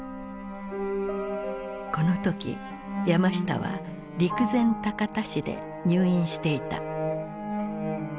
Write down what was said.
この時山下は陸前高田市で入院していた。